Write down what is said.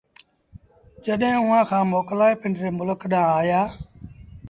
جڏهيݩ اُئآݩ کآݩ موڪلآئي پنڊري ملڪ ڏآݩهݩ آيآ